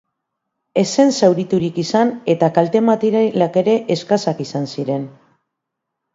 Ez zen zauriturik izan eta kalte materialak ere eskasak izan ziren.